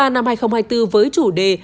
năm hai nghìn hai mươi bốn với chủ đề